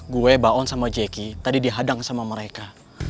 gue baon sama jeki tadi dihadang sama mereka